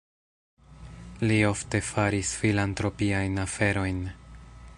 Li ofte faris filantropiajn aferojn.